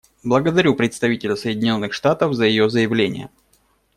Благодарю представителя Соединенных Штатов за ее заявление.